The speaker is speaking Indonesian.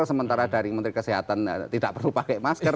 sementara dari menteri kesehatan tidak perlu pakai masker